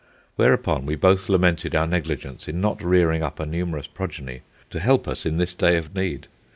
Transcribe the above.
Whereupon we both lamented our negligence in not rearing up a numerous progeny to help us in this day of need.